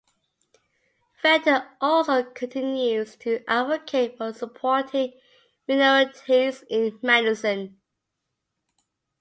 Fenton also continues to advocate for supporting minorities in medicine.